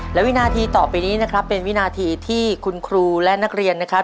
และวินาทีต่อไปนี้นะครับเป็นวินาทีที่คุณครูและนักเรียนนะครับ